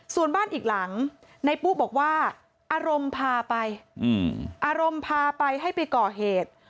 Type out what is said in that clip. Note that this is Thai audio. ส่วนบ้านอีกหลังในปุ๊บอกว่าอารมณ์พาไปอารมณ์พาไปให้ไปก่อเหตุ